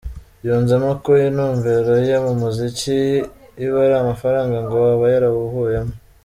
Yunzemo ko intumbero ye mu muziki iyo iba ari amafaranga ngo aba yarawuvuyemo.